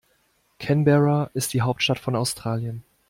Canberra ist die Hauptstadt von Australien.